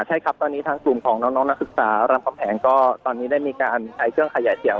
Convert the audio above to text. ใช่ครับตอนนี้ทางกลุ่มของน้องนักศึกษารามคำแหงก็ตอนนี้ได้มีการใช้เครื่องขยายเสียง